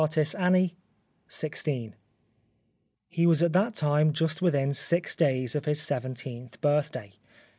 Physician Dublin i6 He was at that time just within six days of his seventeenth birthday.